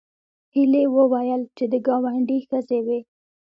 هیلې وویل چې د ګاونډي ښځې وې